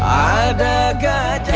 gak ada gajahnya